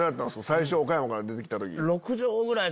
最初岡山から出て来た時。